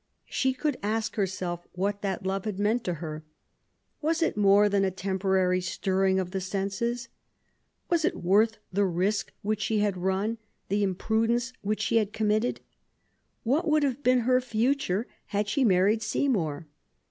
She could ask herself what that love had meant to her. Was it more than a temporary stirring of the senses ? Was it worth the risk which she had run, Jhe im prudence which she had committed ? What would have been her future had she married Seymour?